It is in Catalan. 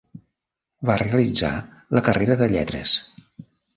Va realitzar la carrera de Lletres.